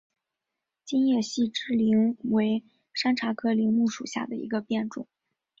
金叶细枝柃为山茶科柃木属下的一个变种。